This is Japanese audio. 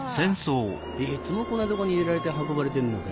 いつもこんなとこに入れられて運ばれてんのか？